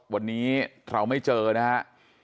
วันนี้เราไม่เจอนะฮะ